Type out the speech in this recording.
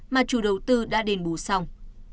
mà chủ đầu tư đã đền bù xong